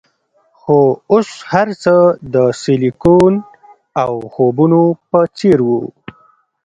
خو اوس هرڅه د سیلیکون او خوبونو په څیر وو